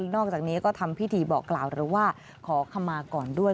นอกจากนี้ก็ทำพิธีบอกกล่าวหรือว่าขอขมาก่อนด้วย